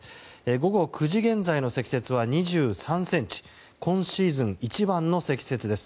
午後９時現在の積雪は２３ｃｍ今シーズン一番の積雪です。